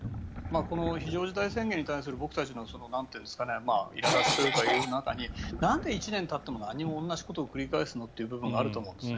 この非常事態宣言に対する僕たちのいら立ちの中になんで１年たっても同じことを繰り返すのという部分があると思うんですね。